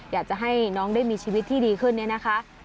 อยากจะให้น้องได้มีชีวิตที่ดีขึ้นเนี่ยนะคะ